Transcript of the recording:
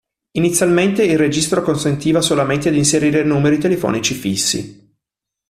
Inizialmente il registro consentiva solamente di inserire numeri telefonici fissi.